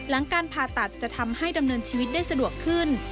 หลังการผ่าตัดจะทำให้ดำเนินชีวิตได้สะดวกขึ้น